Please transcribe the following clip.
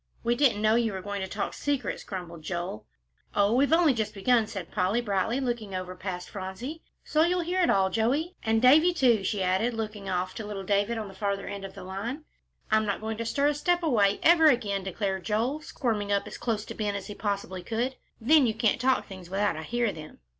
"We didn't know you were going to talk secrets," grumbled Joel. "Oh, we've only just begun," said Polly, brightly, looking over past Phronsie, "so you'll hear it all, Joey; and Davie, too," she added, looking off to little David on the farther end of the line. "I'm not going to stir a step away ever again," declared Joel, squirming up as close to Ben as he possibly could, "then you can't talk things without I hear them."